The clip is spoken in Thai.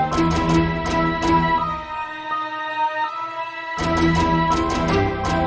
ก็ไม่น่าจะดังกึ่งนะ